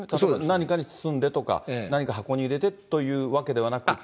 何かに包んでとか、何か箱に入れてというわけではなくて。